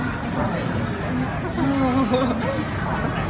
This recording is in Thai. แน่นอน